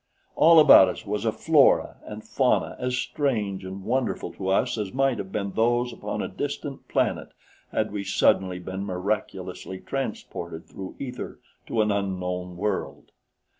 All about us was a flora and fauna as strange and wonderful to us as might have been those upon a distant planet had we suddenly been miraculously transported through ether to an unknown world.